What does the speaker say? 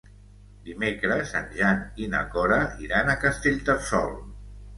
Dimecres en Jan i na Cora iran a Castellterçol.